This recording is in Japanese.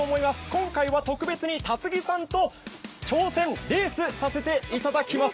今回は特別に立木さんと挑戦させていただきます。